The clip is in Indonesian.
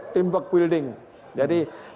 teamwork building jadi pebibiranya